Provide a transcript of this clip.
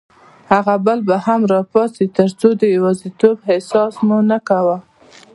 هغه بل به هم راپاڅېد، ترڅو د یوازیتوب احساس مو نه کاوه.